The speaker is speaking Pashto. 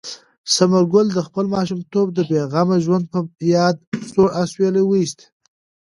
ثمر ګل د خپل ماشومتوب د بې غمه ژوند په یاد سوړ اسویلی وایست.